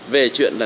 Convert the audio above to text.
về chuyện là